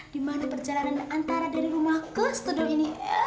di mana perjalanan antara dari rumah ke studio ini